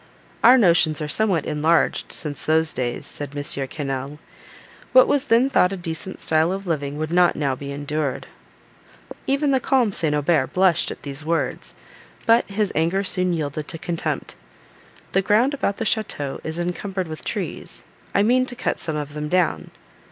"Our notions are somewhat enlarged since those days," said M. Quesnel;—"what was then thought a decent style of living would not now be endured." Even the calm St. Aubert blushed at these words, but his anger soon yielded to contempt. "The ground about the château is encumbered with trees; I mean to cut some of them down."